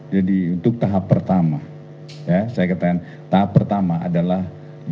jadi untuk tahap pertama ya saya katakan tahap pertama adalah